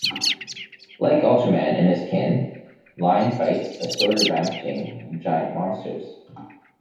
Like Ultraman and his kin, Line fights assorted rampaging giant monsters.